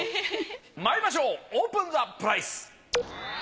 まいりましょうオープンザプライス。